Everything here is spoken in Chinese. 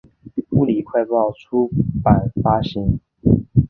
物理快报出版发行。